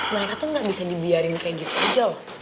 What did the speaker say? mereka tuh gak bisa dibiarin kaya gini saja loh